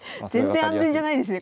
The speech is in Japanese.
全然安全じゃないですね